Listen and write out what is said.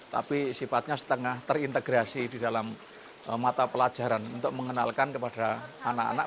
tapi sifatnya setengah terintegrasi di dalam mata pelajaran untuk mengenalkan kepada anak anak